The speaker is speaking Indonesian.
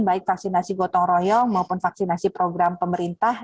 baik vaksinasi gotong royong maupun vaksinasi program pemerintah